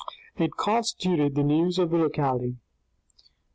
It constituted the news of the locality.